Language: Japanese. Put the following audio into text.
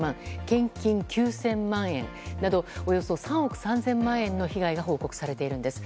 献金９０００万円などおよそ３億３０００万円の被害が報告されているんです。